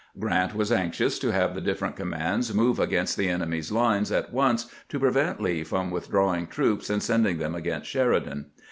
Grant was anxious to have the different commands move against the enemy's lines at once to prevent Lee from withdrawing troops and sending them against Sheridan.